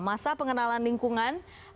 masa pengenalan lingkungan